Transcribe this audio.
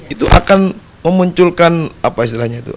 itu akan memunculkan apa istilahnya itu